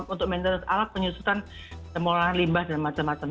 untuk mental alat penyusutan semolahan limbah dan macam macam